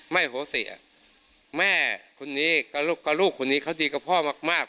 ไม่โหเสียแม่คนนี้ก็ลูกคนนี้เขาดีกับพ่อมาก